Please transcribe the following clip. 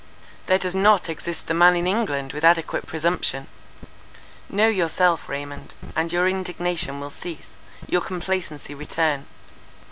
There does not exist the man in England with adequate presumption. Know yourself, Raymond, and your indignation will cease; your complacency return.